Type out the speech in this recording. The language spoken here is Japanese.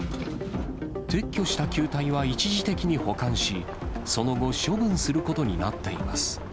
撤去した球体は一時的に保管し、その後、処分することになっています。